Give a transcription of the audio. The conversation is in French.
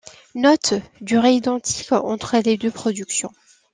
Note: Durée identiques entre les deux productions.